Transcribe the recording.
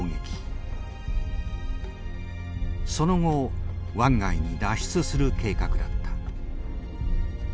その後湾外に脱出する計画だった。